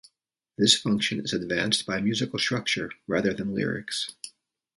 This function is advanced by musical structure, rather than lyrics.